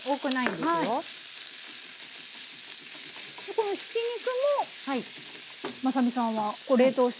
このひき肉もまさみさんは冷凍して？